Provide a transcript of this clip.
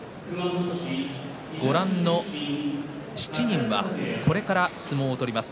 ご覧の７人はこれから相撲を取ります。